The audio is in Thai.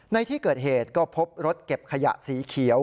ในที่เกิดเหตุก็พบรถเก็บขยะสีเขียว